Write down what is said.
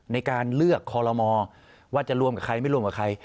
ในการเลือกคอลโลมอว่าจะรวมกับใครไม่รวมกับใคร